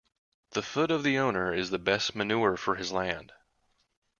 The foot of the owner is the best manure for his land.